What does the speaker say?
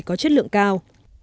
có chất lượng cao